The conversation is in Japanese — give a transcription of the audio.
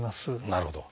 なるほど。